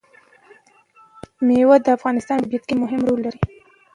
مېوې د افغانستان په طبیعت کې مهم رول لري.